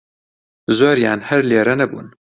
زۆریان هەر لێرە نەبوون